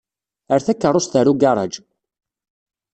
Err takeṛṛust ɣer ugaṛaj.